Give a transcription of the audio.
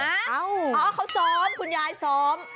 เอ๊าอ้าวเขาซ้อมคุณยายทซ้อม